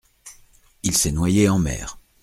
Il s’est noyé en mer.